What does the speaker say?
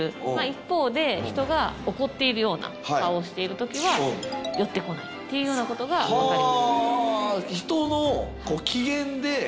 一方で人が怒っているような顔をしているときは寄ってこないっていうようなことが分かりました